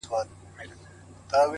نه یې مینه سوای له زړه څخه شړلای؛